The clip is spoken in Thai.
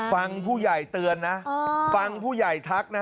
ฟังผู้ใหญ่เตือนนะฟังผู้ใหญ่ทักนะ